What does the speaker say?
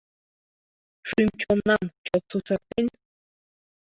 Шӱм-чоннам, чот сусыртен.